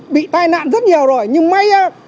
bị tai nạn rất nhiều rồi nhưng may